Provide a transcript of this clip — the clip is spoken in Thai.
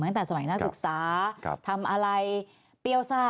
ตั้งแต่สมัยนักศึกษาทำอะไรเปรี้ยวซ่า